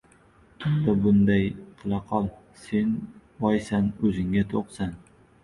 Unda bunday qila qol. Sen boysan, oʻzingga toʻqsan.